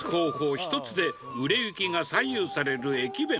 一つで売れ行きが左右される駅弁。